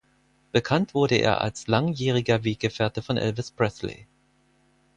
Bekannt wurde er als langjähriger Weggefährte von Elvis Presley.